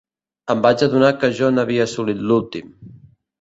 Em vaig adonar que jo n'havia assolit l'últim.